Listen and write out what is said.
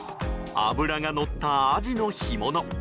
脂がのったアジの干物。